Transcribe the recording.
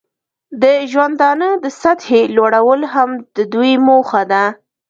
د ژوندانه د سطحې لوړول هم د دوی موخه ده.